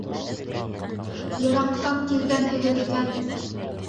Йыраҡтан килгәнһегеҙ икән.